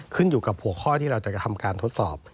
ขึ้นอยู่กับหัวข้อที่เราจะกระทำการทดสอบ